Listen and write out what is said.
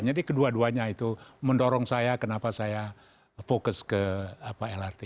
jadi kedua duanya itu mendorong saya kenapa saya fokus ke lrt